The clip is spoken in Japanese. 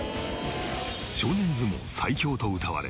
少年相撲最強とうたわれ